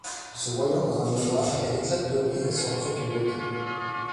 Se voyant dans un miroir, elle éclate de rire et se refait une beauté.